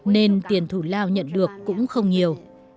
nên tiền thủ lao nhận được cũng không nhiều